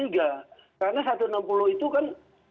karena satu ratus enam puluh itu kan